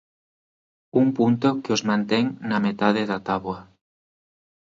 Un punto que os mantén na metade da táboa.